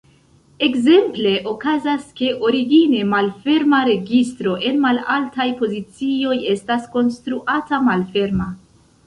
Ekzemple okazas, ke origine malferma registro en malaltaj pozicioj estas konstruata malferma.